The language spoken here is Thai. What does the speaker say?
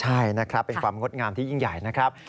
ใช่นะครับเป็นความงดงามที่ยิ่งใหญ่นะครับ